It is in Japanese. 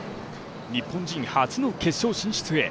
日本人初の決勝進出へ。